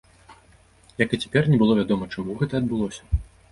Як і цяпер, не было вядома, чаму гэта адбылося.